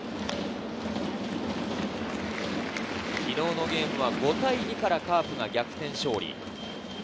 昨日のゲームは５対２からカープが逆転勝利。